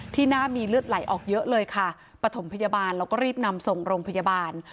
หน้ามีเลือดไหลออกเยอะเลยค่ะปฐมพยาบาลแล้วก็รีบนำส่งโรงพยาบาล